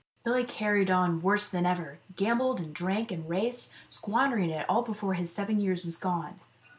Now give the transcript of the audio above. Billy carried on worse than ever; gambled and drank and raced, squandering it all before his seven years was gone.